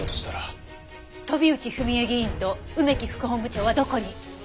飛内文枝議員と梅木副本部長はどこに？